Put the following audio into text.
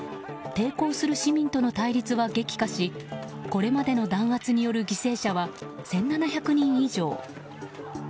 抵抗する市民との対立は激化しこれまでの弾圧による犠牲者は１７００人以上。